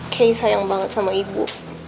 kay sayang banget sama ibu